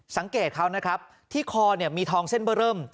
สังเกตเขานะครับที่คอเนี่ยมีทองเส้นเบอร์เริ่ม